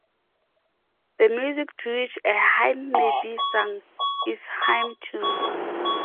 The music to which a hymn may be sung is a hymn tune.